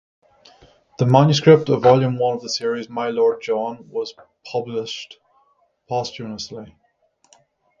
The manuscript of volume one of the series, "My Lord John", was published posthumously.